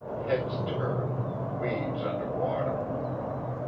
Heads turned, weeds under water.